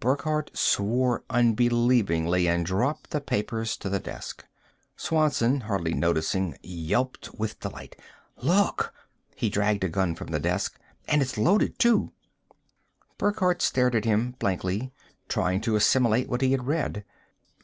Burckhardt swore unbelievingly and dropped the papers to the desk. Swanson, hardly noticing, yelped with delight: "Look!" He dragged a gun from the desk. "And it's loaded, too!" Burckhardt stared at him blankly, trying to assimilate what he had read.